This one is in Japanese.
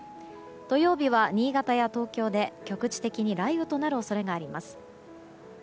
土曜日は新潟や東京で局地的に雷雨となる恐れがあります。